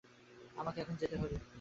আমাকে এখনই যেতে হবে।